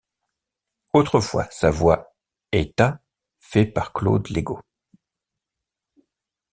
Autrefois sa voix état fait par Claude Legault.